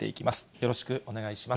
よろしくお願いします。